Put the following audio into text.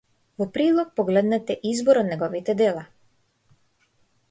Во прилог погледнете избор од неговите дела.